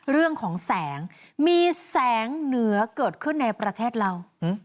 เรื่องของแสงมีแสงเหนือเกิดขึ้นในประเทศเรา